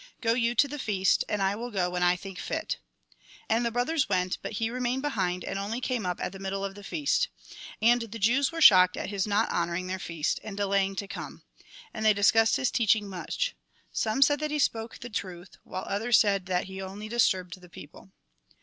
Go you to the feast, and I will go when I think fit." And the brothers went, but he remained behind, and only came up at the middle of the feast. And the Jews were shocked at his not honouring their feast, and delaying to come. And they discussed his teaching much. Some said that he spoke the truth, while others said that he only disturbed the people.